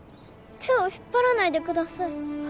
手を引っ張らないでください。